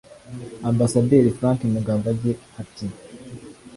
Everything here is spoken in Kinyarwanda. Ambasaderi Frank Mugambage ati